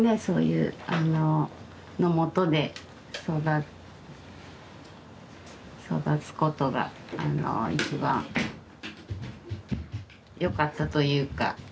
そういうあののもとで育つことがあの一番よかったというか。